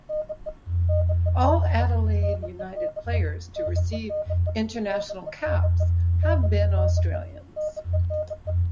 All Adelaide United players to receive international caps have been Australians.